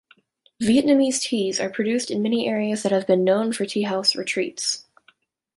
Vietnamese teas are produced in many areas that have been known for tea-house "retreats".